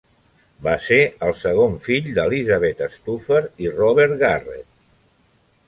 Va ser el segon fill d'Elizabeth Stouffer i Robert Garrett.